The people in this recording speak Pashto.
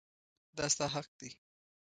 دا ستا حق دی.